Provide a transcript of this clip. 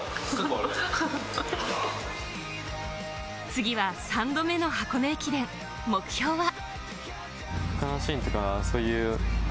次は３度目の箱根駅伝、目標は。